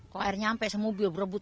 kalau airnya sampai di mobil berdebut